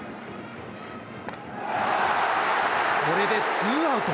これでツーアウト。